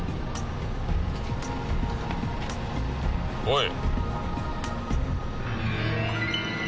おい。